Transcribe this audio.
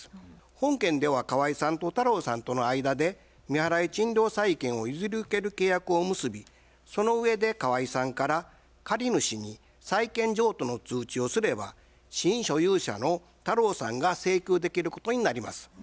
本件では河井さんと太郎さんとの間で未払い賃料債権を譲り受ける契約を結びそのうえで河井さんから借主に債権譲渡の通知をすれば新所有者の太郎さんが請求できることになります。